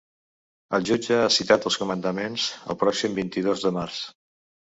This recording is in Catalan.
El jutge ha citat els comandaments el pròxim vint-i-dos de març.